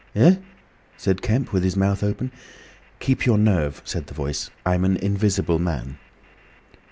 "Eh?" said Kemp, with his mouth open. "Keep your nerve," said the Voice. "I'm an Invisible Man."